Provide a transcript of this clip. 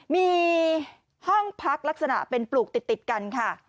มีห้องพักลักษณะเป็นปลูกติดกันค่ะ